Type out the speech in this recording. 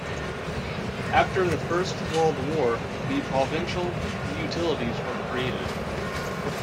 After the First World War, the provincial utilities were created.